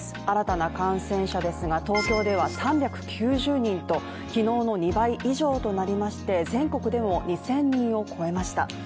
新たな感染者ですが東京では３９０人と昨日の２倍以上となりまして全国でも２０００人を超えました。